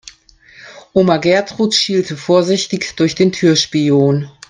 Oma Gertrud schielte vorsichtig durch den Türspion.